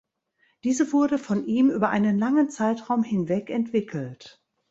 Diese wurde von ihm über einen langen Zeitraum hinweg entwickelt.